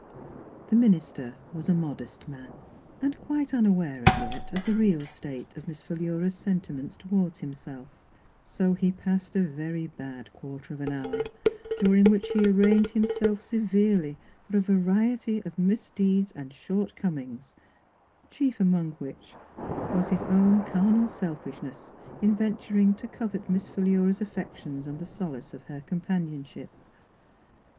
The minister was a modest man, and quite unaware as jet of the real state of Miss Philura's sentiments toward him self, so he passed a very bad quarter of an hour, during which he arraigned himself severely for a variety of misdeeds and short comings, chief among which was his own carnal selfishness in venturing to covet Miss Philura's affections and the solace of her companionship.